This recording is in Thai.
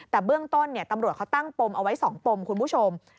แต่เบื้องต้นตำรวจเขาตั้งปมเอาไว้๒ปมคุณผู้ชม